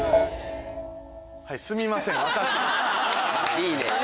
いいね！